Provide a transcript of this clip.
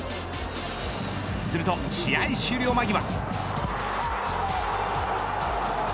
すると試合終了間際。